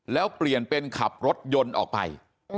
แล้วเปลี่ยนเป็นขับรถยนต์ออกไป